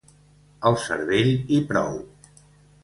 El cervell i prou.